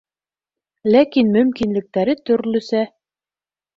Ләкин мөмкинлектәре төрлөсә.